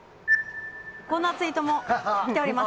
こんなツイートも来ております。